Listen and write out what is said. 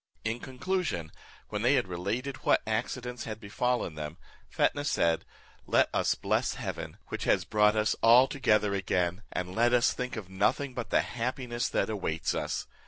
In conclusion, when they had related what accidents had befallen them, Fetnah said, "Let us bless Heaven, which has brought us all together again, and let us think of nothing but the happiness that awaits us.